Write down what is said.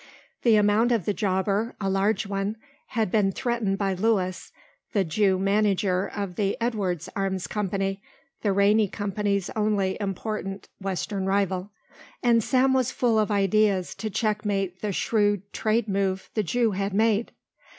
The account of the jobber, a large one, had been threatened by Lewis, the Jew manager of the Edwards Arms Company, the Rainey Company's only important western rival, and Sam was full of ideas to checkmate the shrewd trade move the Jew had made.